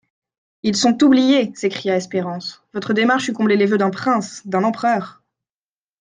Ils sont oubliés ! s'écria Espérance ; votre démarche eût comblé les voeux d'un prince, d'un empereur.